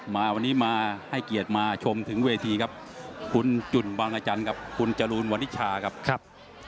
มาวันนี้มาให้เกียรติมาชมถึงเวทีครับ